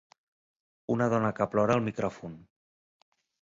Una dona que plora al micròfon.